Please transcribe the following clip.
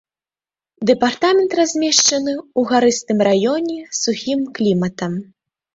Дэпартамент размешчаны ў гарыстым раёне з сухім кліматам.